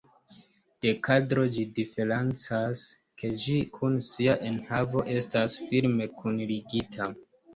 De kadro ĝi diferencas, ke ĝi kun sia enhavo estas firme kunligita.